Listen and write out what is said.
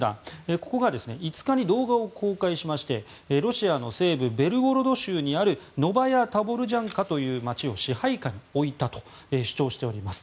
ここが５日に動画を公開しましてロシアの西部ベルゴロド州にあるノバヤ・タボルジャンカという街を支配下に置いたと主張しております。